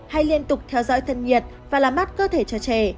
hay liên tục theo dõi thân nhiệt và làm mát cơ thể cho trẻ